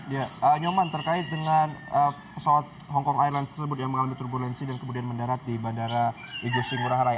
ya nyoman terkait dengan pesawat hongkong island tersebut yang mengalami turbulensi dan kemudian mendarat di bandara igusti ngurah rai